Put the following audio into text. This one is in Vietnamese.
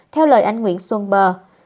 theo lời anh nguyễn xuân bờ